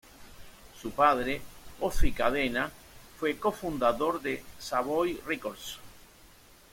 Su padre, Ozzie Cadena, fue co-fundador de Savoy Records.